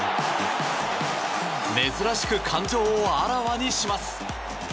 珍しく感情をあらわにします。